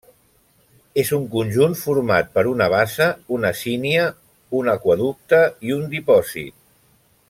És un conjunt format per una bassa, una sínia, un aqüeducte i un dipòsit.